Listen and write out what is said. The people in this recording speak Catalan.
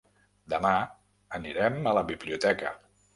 Demà anirem a la biblioteca.